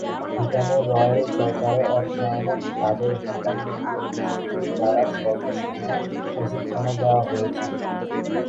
ভুটানের রয়্যাল সরকারের অর্থায়নে তাদেরকে ভুটান মিডিয়া ইনস্টিটিউট দ্বারা স্বল্প সময়ের প্রশিক্ষণও দেওয়া হয়েছিল।